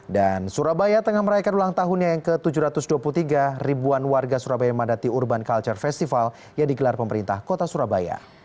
dan surabaya tengah merayakan ulang tahunnya yang ke tujuh ratus dua puluh tiga ribuan warga surabaya madati urban culture festival yang digelar pemerintah kota surabaya